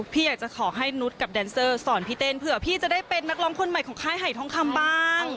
พี่อยากจะขอให้นุษย์กับแดนเซอร์สอนพี่เต้นเผื่อพี่จะได้เป็นนักร้องคนใหม่ของค่ายหายทองคำบ้าง